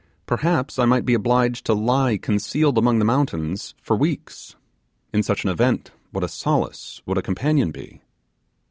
Perhaps I might be obliged to lie concealed among the mountains for weeks. In such an event what a solace would a companion be?